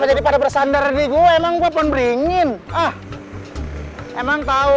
jadi pada bersandar di gue emang gue pun beringin ah